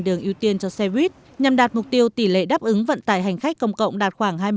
đường ưu tiên cho xe buýt nhằm đạt mục tiêu tỷ lệ đáp ứng vận tải hành khách công cộng đạt khoảng hai mươi